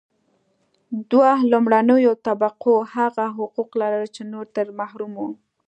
دوه لومړنیو طبقو هغه حقوق لرل چې نور ترې محروم وو.